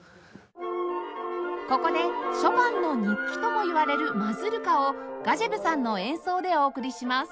ここでショパンの日記ともいわれる『マズルカ』をガジェヴさんの演奏でお送りします